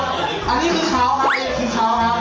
เอกคือเขาครับดีคือเราครับเขาครับ